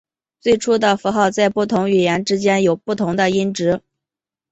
最初的符号在不同语言之间有不同的音值。